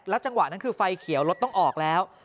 จังหวะนั้นคือไฟเขียวรถต้องออกแล้ว